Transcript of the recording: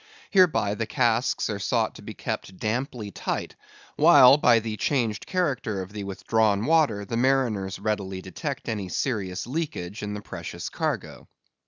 Hereby the casks are sought to be kept damply tight; while by the changed character of the withdrawn water, the mariners readily detect any serious leakage in the precious cargo.